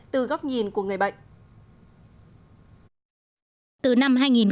từ góc nhìn của người bệnh